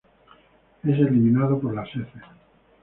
Es eliminado por las heces.